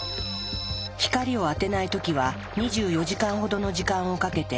光を当てない時は２４時間ほどの時間をかけてほぼ回復。